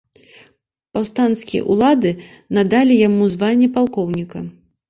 Паўстанцкія ўлады надалі яму званне палкоўніка.